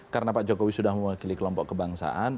karena pak jokowi sudah mewakili kelompok kebangsaan